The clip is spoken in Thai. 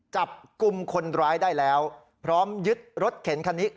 จับกลุ่มคนร้ายได้แล้วพร้อมยึดรถเข็นคันนี้